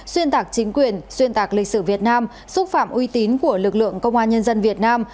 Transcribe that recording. xuyên tạc chính quyền xuyên tạc lịch sử việt nam xúc phạm uy tín của lực lượng công an nhân dân việt nam